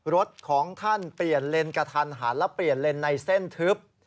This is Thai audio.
รถของท่านเปลี่ยนเลนกระทันหันและเปลี่ยนเลนในเส้นทึบ